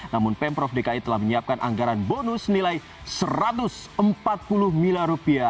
namun pemprov dki telah menyiapkan anggaran bonus nilai rp satu ratus empat puluh miliar